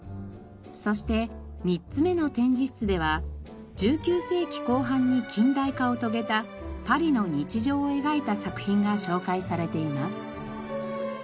そして３つ目の展示室では１９世紀後半に近代化を遂げたパリの日常を描いた作品が紹介されています。